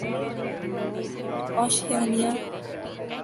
Oceania